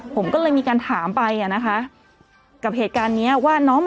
ผมก็เลยมีการถามไปอ่ะนะคะกับเหตุการณ์เนี้ยว่าน้อง